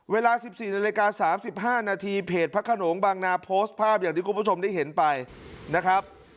เวลา๑๔นาฬิกา๓๕นาทีเพจพระขนงบางนาโพสต์ภาพอย่างที่คุณผู้ชมได้เห็นไปนะครับ